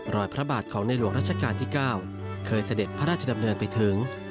พระบาทของในหลวงรัชกาลที่๙เคยเสด็จพระราชดำเนินไปถึง